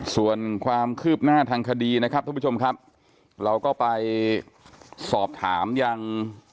ส่วนความคืบหน้าทางคดีนะครับท่านผู้ชมครับเราก็ไปสอบถามยัง